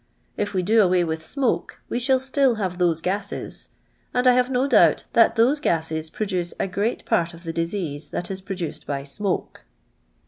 If we do away with smoke, we shall still have those gases; and I have no doubt that those gases produce a great part of the disease that is produced by smoke."